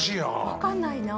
分かんないな。